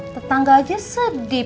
tetangga aja sedih